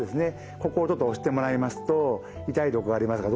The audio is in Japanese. ここをちょっと押してもらいますと痛いとこがありますか？